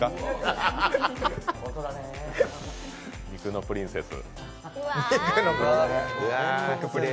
肉のプリンセス。